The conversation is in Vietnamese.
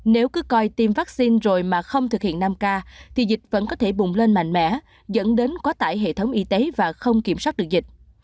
nếu cứ coi tiêm vaccine rồi mà không thực hiện năm k thì dịch vẫn có thể bùng lên mạnh mẽ dẫn đến quá tải hệ thống y tế và không kiểm soát được dịch